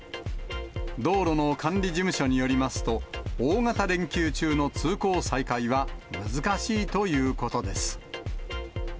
道路の管理事務所によりますと、大型連休中の通行再開は難しいということです。